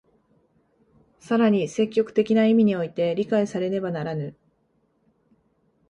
更に積極的な意味において理解されねばならぬ。